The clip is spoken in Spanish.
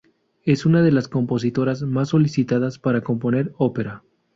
Es una de las compositoras más solicitadas para componer ópera.